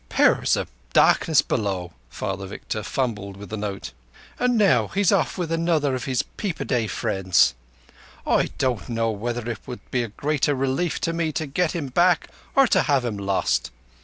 "Powers of Darkness below!" Father Victor fumbled with the note. "An' now he's off with another of his peep o' day friends. I don't know whether it will be a greater relief to me to get him back or to have him lost.